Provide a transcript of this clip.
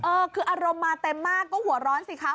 เออคืออารมณ์มาเต็มมากก็หัวร้อนสิคะ